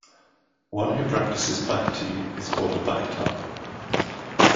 One who practices "bhakti" is called a "bhakta".